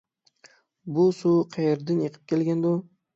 بۇ سۇ قەيەردىن ئېقىپ كەلگەندۇ؟